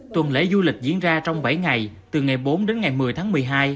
tuần lễ du lịch diễn ra trong bảy ngày từ ngày bốn đến ngày một mươi tháng một mươi hai